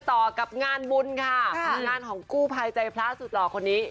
ต่อกับงานบุญค่ะงานของกู้ภัยใจพระสุดหล่อคนนี้